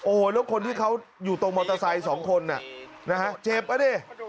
โอ้โหแล้วคนที่เขาอยู่ตรงมอเตอร์ไซค์สองคนน่ะนะฮะเจ็บอ่ะดิ